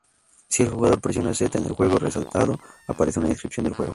Si el jugador presiona Z en el juego resaltado, aparece una descripción del juego.